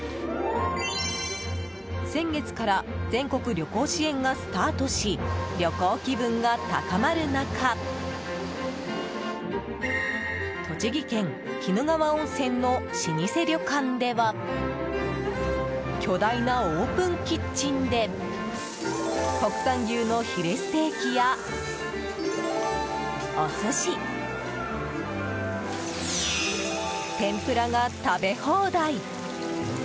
先月から全国旅行支援がスタートし旅行気分が高まる中栃木県鬼怒川温泉の老舗旅館では巨大なオープンキッチンで国産牛のヒレステーキやお寿司、天ぷらが食べ放題。